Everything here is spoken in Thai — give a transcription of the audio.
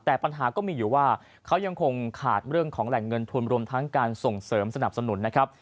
แต่ปัญหาก็มีอยู่ว่าเขายังคงขาดเรื่องของแหล่งเงินทุนรวมทั้งการส่งเสริมสนับสนุนนะครับ